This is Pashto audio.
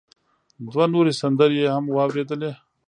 دوه نورې سندرې يې هم واورېدې.